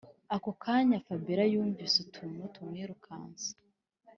ako kanya fabiora yumvise utuntu tumwirukanse